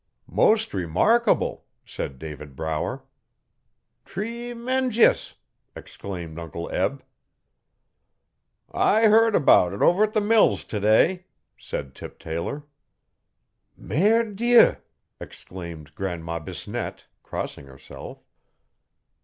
'Most reemarkable!' said David Brower. 'Treemenjious!' exclaimed Uncle Eb. 'I heard about it over at the mills t'day,' said Tip Taylor. 'Merd Dieu!' exclaimed Grandma Bisnette, crossing herself.